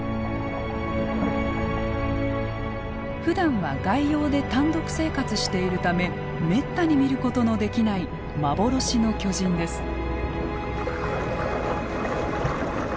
ふだんは外洋で単独生活しているためめったに見ることのできない幻の巨人です。